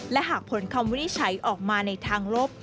และหากผลคำวินิจฉัยออกมาในทางลบ